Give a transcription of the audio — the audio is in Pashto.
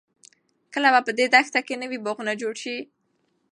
کله به په دې دښته کې نوې باغونه جوړ شي؟